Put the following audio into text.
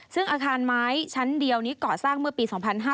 ซึ่งอาคารไม้ชั้นเดียวนี้ก่อสร้างเมื่อปี๒๕๕๙